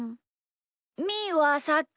みーはさっき。